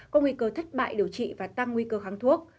có nguy cơ thất bại điều trị và tăng nguy cơ kháng thuốc